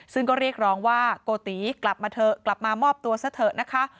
ซึ่งก็เรียกร้องว่าโกติกลับมาเถอะกลับมามอบตัวซะเถอะนะคะ